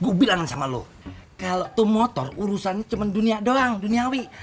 gue bilang sama lo kalau motor urusannya cuma dunia doang duniawi